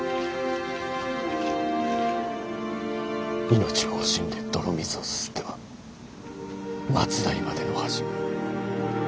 命を惜しんで泥水をすすっては末代までの恥。